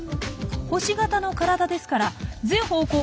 星形の体ですから全方向